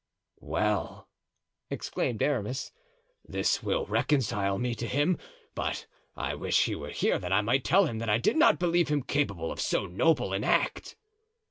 "Well!" exclaimed Aramis, "this will reconcile me to him; but I wish he were here that I might tell him that I did not believe him capable of so noble an act."